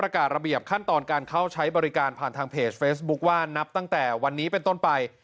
ระเบียบขั้นตอนการเข้าใช้บริการผ่านทางเพจเฟซบุ๊คว่านับตั้งแต่วันนี้เป็นต้นไป